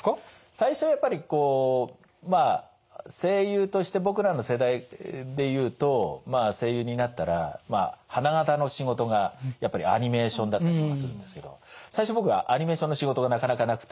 最初はやっぱりこうまあ声優として僕らの世代で言うと声優になったらまあ花形の仕事がやっぱりアニメーションだったりとかするんですけど最初僕はアニメーションの仕事がなかなかなくて。